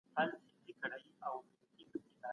که په لیکنه رنګ توی سوی وي تر رنګ لاندي توري هم لیدل کیږي.